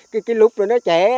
cái lục nó chẽ